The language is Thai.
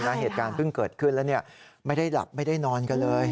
เหตุการณ์เพิ่งเกิดขึ้นแล้วไม่ได้หลับไม่ได้นอนกันเลย